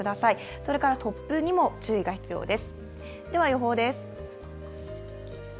それから突風にも注意が必要です。